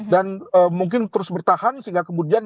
dan mungkin terus bertahan sehingga kemudian